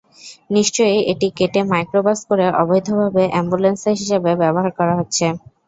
নিশ্চয়ই এটি কেটে মাইক্রোবাস করে অবৈধভাবে অ্যাম্বুলেন্স হিসেবে ব্যবহার করা হচ্ছে।